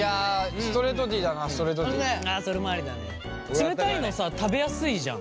冷たいのさ食べやすいじゃん。